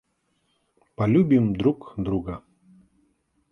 Полюбим друг друга.